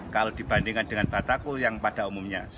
kalau dibandingkan dengan batako yang diperlukan di dalam perusahaan ini